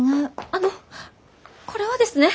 あのこれはですね。